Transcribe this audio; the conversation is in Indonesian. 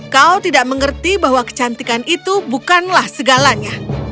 kau tidak mengerti bahwa kecantikan itu bukanlah segalanya